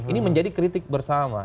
ini menjadi kritik bersama